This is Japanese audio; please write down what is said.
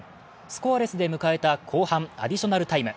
スコアレスで迎えた後半アディショナルタイム。